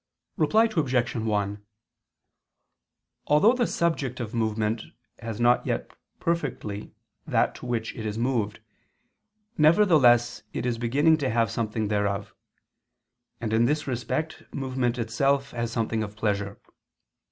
Reply Obj. 1: Although the subject of movement has not yet perfectly that to which it is moved, nevertheless it is beginning to have something thereof: and in this respect movement itself has something of pleasure.